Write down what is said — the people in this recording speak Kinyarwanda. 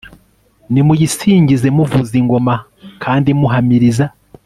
nimuyisingize muvuza ingoma kandi muhamiriza,